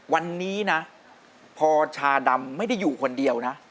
วันนี้นะพอชาดำไม่ได้อยู่คนเดียวนะ